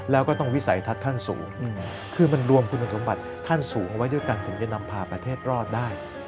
แล้วก็ต้องวิสัยทัศน์ท่านสูงคือมันรวมคุณสมบัติท่านสูงเอาไว้ด้วยกันถึงจะนำพาประเทศรอดได้